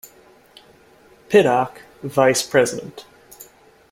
Pittock, vice president.